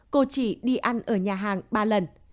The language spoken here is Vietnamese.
cô chỉ đi ăn ở nhà hàng ba lần